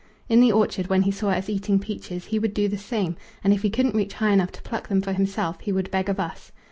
In the orchard when he saw us eating peaches he would do the same, and if he couldn't reach high enough to pluck them for himself he would beg of us.